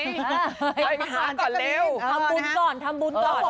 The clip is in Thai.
เยี่ยมมากกว่าทำบุญก่อนทำบุญก่อน